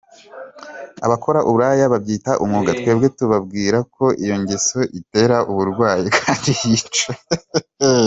Abakora uburaya babyita umwuga, twebwe tubabwira ko iyo ngeso itera uburwayi kandi yica